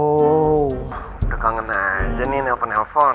sudah kangen aja nih nelpon nelfon